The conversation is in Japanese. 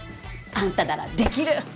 あんたならできる！